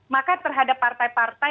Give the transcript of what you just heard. maka terhadap partai partai